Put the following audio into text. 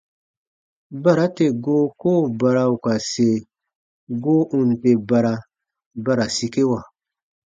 Bara tè goo koo bara ù ka se, goo ù n tè bara, ba ra sikewa.